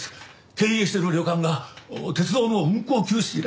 経営してる旅館が鉄道の運行休止以来